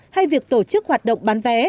hay việc tổ chức hoạt động bán vé